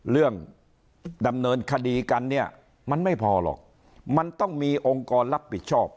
ดำเนินคดีกันเนี่ยมันไม่พอหรอกมันต้องมีองค์กรรับผิดชอบ